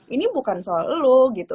ini bukan soal lu gitu